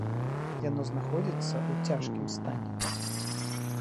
Яно знаходзіцца ў цяжкім стане.